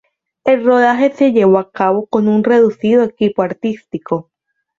El rodaje se llevó a cabo con un reducido equipo artístico.